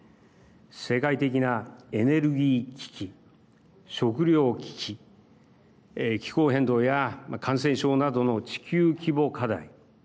世界的なエネルギー危機食料危機気候変動や感染症などの地球規模課題。